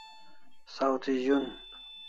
Saw thi z'un